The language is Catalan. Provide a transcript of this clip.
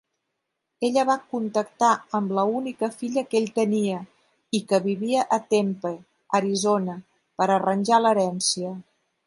Ella va contactar amb la única filla que ell tenia, i que vivia a Tempe, Arizona, per arranjar l'herència.